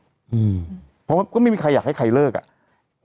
เพราะว่าก็ไม่มีใครอยากให้ใครเลิกอ่ะ